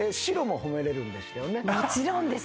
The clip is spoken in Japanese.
もちろんです。